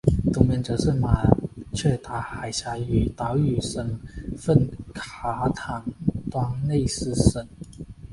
东边则是马却达海峡与岛屿省份卡坦端内斯省。